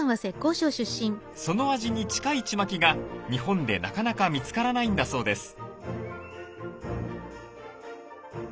その味に近いチマキが日本でなかなか見つからないんだそうです。